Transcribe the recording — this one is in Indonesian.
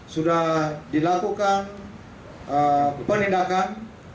sudah dilakukan penindakan